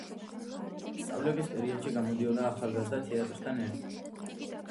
სწავლების პერიოდში გამოდიოდა ახალგაზრდა თეატრთან ერთად.